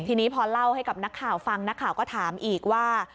ทีนี้พอเล่าให้กับนักข่าวฟังนักข่าวก็ถามอีกว่า